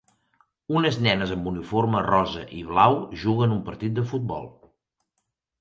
Unes nenes amb uniforme rosa i blau juguen un partit de futbol.